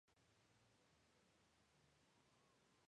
Estudió en Estados Unidos en la Universidad de Louisville.